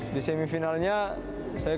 di semifinalnya saya ketemu